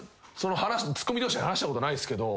ツッコミ同士で話したことないっすけど。